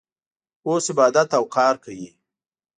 اوس عبادت او کار کوي.